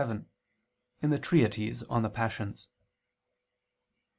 7) in the treatise on the passions.